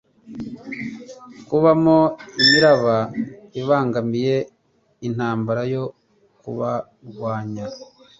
kubamo imiraba ibangamiye intambara yo kubarwanya